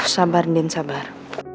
sabar dian sabar